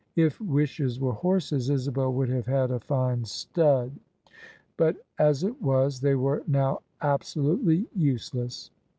If wishes were horses, Isabel would have had a fine stud : but, as it was, they were now absolutely useless.